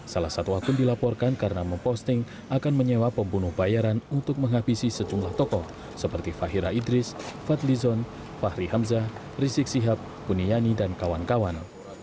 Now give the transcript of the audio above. salah satu akun dilaporkan karena memposting akan menyewa pembunuh bayaran untuk menghabisi sejumlah tokoh seperti fahira idris fadli zon fahri hamzah rizik sihab kuniyani dan kawan kawan